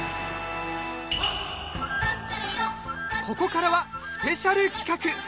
ここからはスペシャル企画。